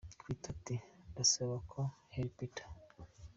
Twitter ati Ndasa nka Harry Potter!.